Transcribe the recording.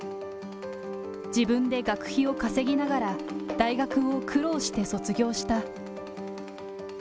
自分で学費を稼ぎながら、大学を苦労して卒業した。